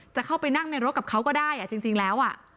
จะเข้าไปนั่งในรถกับเขาก็ได้จริงแล้ว